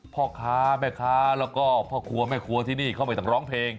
พ่อค้าแม่ค้าแล้วก็พ่อครัวแม่ครัวที่นี่เขาไม่ต้องร้องเพลง